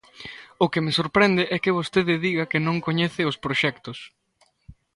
O que me sorprende é que vostede diga que non coñece os proxectos.